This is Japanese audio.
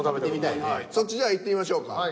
そっちじゃあいってみましょうか。